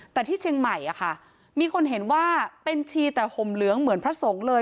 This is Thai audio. แต่ที่เชียงใหม่มีคนเห็นว่าเป็นชีแต่ห่มเหลืองเหมือนพระสงฆ์เลย